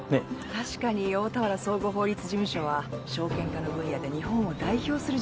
確かに大田原総合法律事務所は証券化の分野で日本を代表する事務所です。